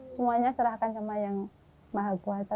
semuanya serahkan sama yang maha kuasa